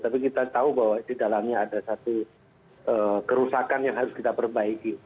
tapi kita tahu bahwa di dalamnya ada satu kerusakan yang harus kita perbaiki